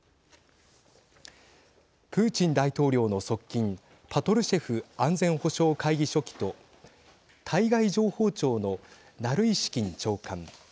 プーチン大統領の側近パトルシェフ安全保障会議書記と対外情報庁のナルイシキン長官。